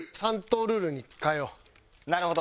なるほど。